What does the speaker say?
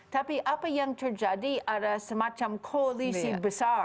tapi apa yang terjadi ada semacam koalisi besar